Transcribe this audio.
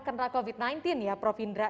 kena covid sembilan belas ya prof indra